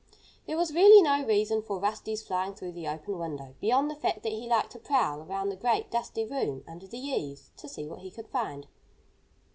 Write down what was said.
There was really no reason for Rusty's flying through the open window, beyond the fact that he liked to prowl around the great, dusty room under the eaves, to see what he could find.